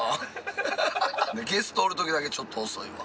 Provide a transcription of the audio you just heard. ゲストおる時だけちょっと遅いわ。